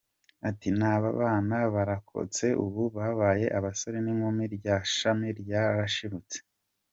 Ati “N’aba bana barokotse ubu babaye abasore n’inkumi … rya shami ryarashibutse.